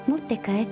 えっ。